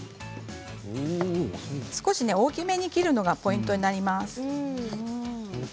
少し大きめに切るのがポイントになります。